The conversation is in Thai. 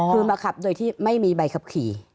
คือมาขับโดยที่ไม่มีใบขับขี่